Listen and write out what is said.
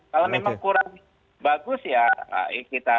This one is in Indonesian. kalau memang kurang bagus ya kita